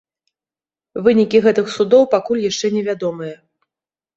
Вынікі гэтых судоў пакуль яшчэ не вядомыя.